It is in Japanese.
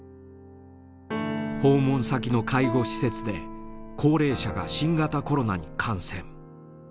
訪問先の介護施設で高齢者が新型コロナに感染。